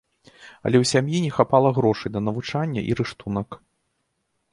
Але ў сям'і не хапала грошай на навучанне і рыштунак.